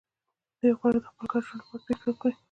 دوی غواړي د خپل ګډ ژوند لپاره پرېکړه وکړي.